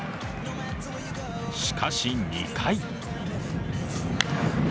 しかし、２回。